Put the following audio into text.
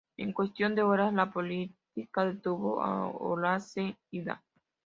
En cuestión de horas la policía detuvo a Horace Ida.